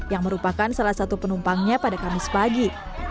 yang merupakan salah satu penumpangnya pada kamis pagi